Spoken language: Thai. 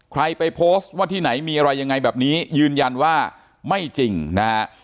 ไปโพสต์ว่าที่ไหนมีอะไรยังไงแบบนี้ยืนยันว่าไม่จริงนะฮะ